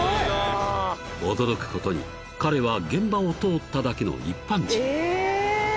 ［驚くことに彼は現場を通っただけの一般人］